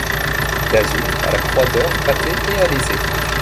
D’azur, à la croix d’or pattée et alésée.